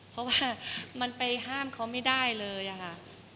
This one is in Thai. เพราะว่ามันไปห้ามเขาไม่ได้เลยอะค่ะ